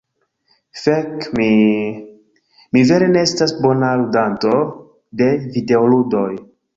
Fek! Mi… Mi vere ne estas bona ludanto de videoludoj.